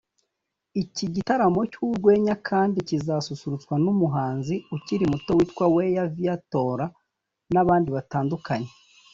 Iki gitaramo cy’urwenya kandi kizasusurutswa n’umuhanzi ukiri muto witwa Weya Viatora n’abandi batandukanye